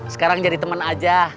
sekarang jadi temen aja